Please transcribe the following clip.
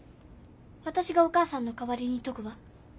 私がお母さんの代わりに解くわ